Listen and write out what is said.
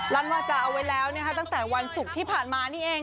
รั้นวาจาร์เอาไว้แล้วเนี่ยฮะตั้งแต่วันศุกร์ที่ผ่านมานี่เอง